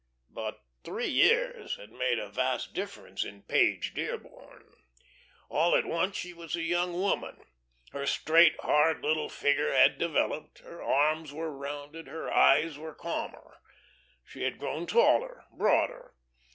But three years had made a vast difference in Page Dearborn. All at once she was a young woman. Her straight, hard, little figure had developed, her arms were rounded, her eyes were calmer. She had grown taller, broader.